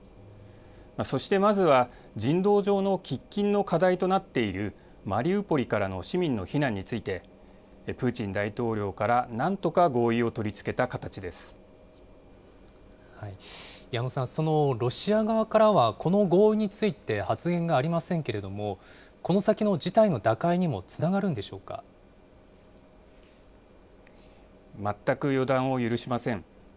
そしてまずは人道上の喫緊の課題となっているマリウポリからの市民の避難について、プーチン大統領からなんとか合意を取り付けた矢野さん、そのロシア側からは、この合意について、発言がありませんけれども、この先の事態全く予断を許しません。